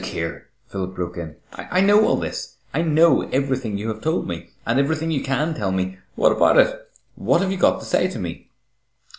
"Look here," Philip broke in, "I know all this. I know everything you have told me, and everything you can tell me. What about it? What have you got to say to me?"